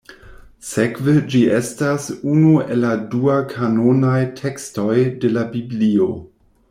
Sekve ĝi estas unu el la dua-kanonaj tekstoj de la Biblio.